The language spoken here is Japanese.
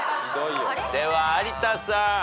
では有田さん。